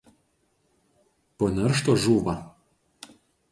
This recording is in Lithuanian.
Po neršto žūva.